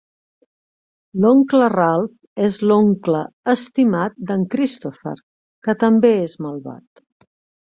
L'oncle Ralph és l'oncle estimat d'en Christopher, que també és malvat.